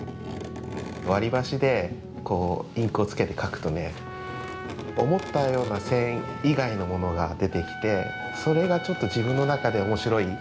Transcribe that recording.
割り箸でインクをつけて描くとね思ったような線以外のものが出てきてそれがちょっと自分の中で面白い。